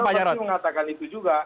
pak jarod masih mengatakan itu juga